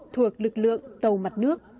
thuộc lực lượng tàu mặt nước